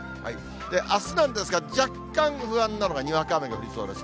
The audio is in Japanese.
あすなんですが、若干不安なのが、にわか雨が降りそうです。